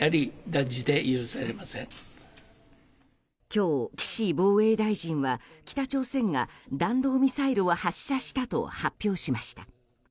今日、岸防衛大臣は北朝鮮が弾道ミサイルを発射したと発表しました。